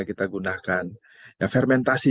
kita gunakan fermentasi